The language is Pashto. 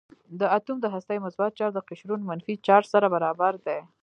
د اتوم د هستې مثبت چارج د قشرونو منفي چارج سره برابر دی.